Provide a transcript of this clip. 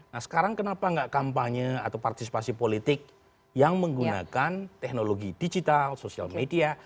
nah sekarang kenapa nggak kampanye atau partisipasi politik yang menggunakan teknologi digital sosial media